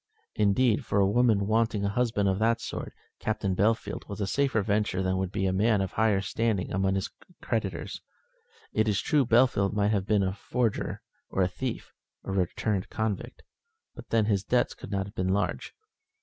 Indeed, for a woman wanting a husband of that sort, Captain Bellfield was a safer venture than would be a man of a higher standing among his creditors. It is true Bellfield might have been a forger, or a thief, or a returned convict, but then his debts could not be large.